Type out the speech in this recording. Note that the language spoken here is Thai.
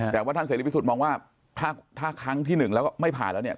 แต่ว่าท่านเสรีพิสุทธิ์มองว่าถ้าครั้งที่หนึ่งแล้วก็ไม่ผ่านแล้วเนี่ย